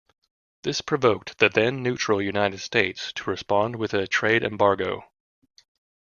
This provoked the then neutral United States to respond with a trade embargo.